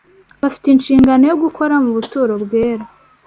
bafite inshingano yo gukora mu buturo bwera